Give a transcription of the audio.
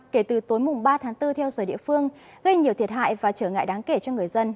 kể từ tối mùng ba tháng bốn theo giờ địa phương gây nhiều thiệt hại và trở ngại đáng kể cho người dân